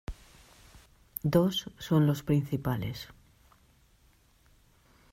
Dos son los principales.